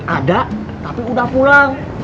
ada tapi udah pulang